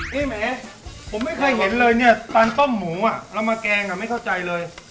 นี่แหมผมไม่เคยเห็นเลยเนี่ยตอนต้มหมูอ่ะเรามาแกงไม่เข้าใจเลย